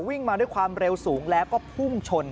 วิ่งมาด้วยความเร็วสูงแล้วก็พุ่งชน